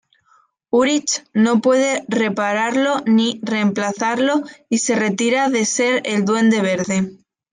Urich no puede repararlo ni reemplazarlo y se retira de ser el Duende Verde.